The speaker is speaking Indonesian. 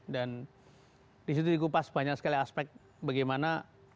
dan di situ dikupas banyak sekali aspek bagaimana